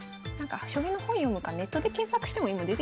将棋の本読むかネットで検索しても今出てきますからね。